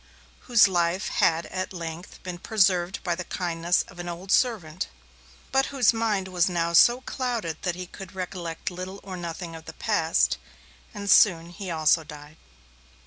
whose life had at length been preserved by the kindness of an old servant, but whose mind was now so clouded that he could recollect little or nothing of the past; and soon he also died.